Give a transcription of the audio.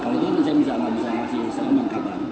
kalau itu saya bisa atau tidak bisa masih mengangkatkan